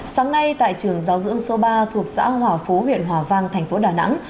sáng nay tại trường giáo dưỡng số ba thuộc xã hòa phú huyện hòa vang thành phố đà nẵng